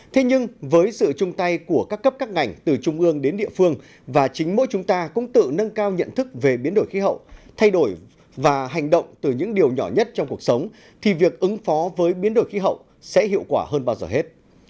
thế nhưng với sự chung tay của các cấp các ngành từ trung ương đến địa phương và chính mỗi chúng ta cũng tự nâng cao nhận thức về biến đổi khí hậu thay đổi và hành động từ những điều nhỏ nhất trong cuộc sống thì việc ứng phó với biến đổi khí hậu sẽ hiệu quả hơn bao giờ hết